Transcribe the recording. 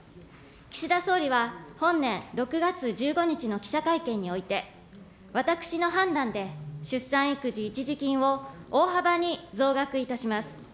岸田総理は本年６月１５日の記者会見において、私の判断で出産育児一時金を大幅に増額いたします。